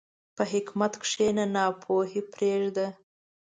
په حکمت کښېنه، ناپوهي پرېږده.